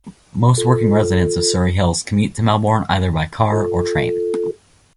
Most working residents of Surrey Hills commute to Melbourne either by car or train.